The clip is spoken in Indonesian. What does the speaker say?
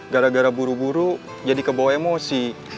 gara gara buru buru jadi kebawa emosi